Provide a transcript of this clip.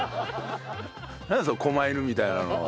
なんだその狛犬みたいなのは。